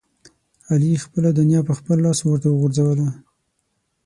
علي خپله دنیا په خپل لاس اورته وغورځوله.